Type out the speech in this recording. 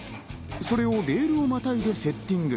それをレールをまたいでセッティング。